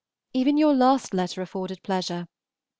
Even your last letter afforded pleasure.